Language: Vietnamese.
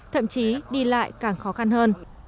thậm chí đi lại càng khó khăn hơn